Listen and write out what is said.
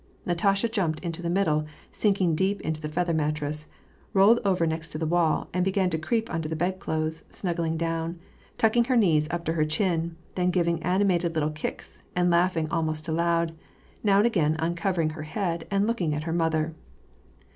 Natasha jumped into the middle, sinking deep into the feather mattress, rolled over next the wall, and began to creep under the bedclothes, snuggling down, tucking her knees up to her chin, then giving animated little kicks, and laughing almost aloud, now and again uncovering her head and looking at her mother.